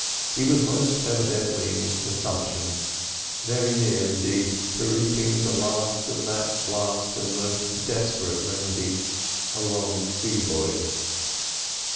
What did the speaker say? He was most evidently in consumption—very near, indeed, to reaping the result of that last and most desperate remedy, a long sea voyage.